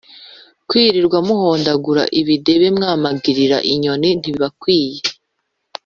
kwirirwa muhondagura ibidebe mwamagirira inyoni ntibibakwiye.